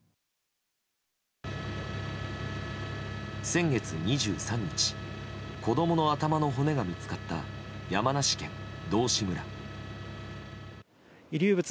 先月２３日子供の頭の骨が見つかった山梨県道志村。